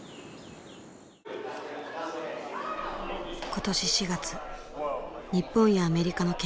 今年４月日本やアメリカの研究者